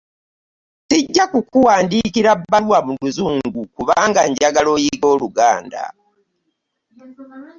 Sijja kukuwandikira bbaluwa mu luzungu kubanga njagala oyige oluganda.